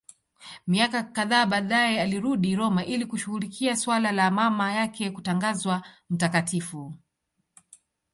Miaka kadhaa baadaye alirudi Roma ili kushughulikia suala la mama yake kutangazwa mtakatifu.